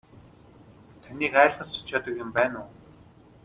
Таныг айлгаж цочоодог юм байна уу.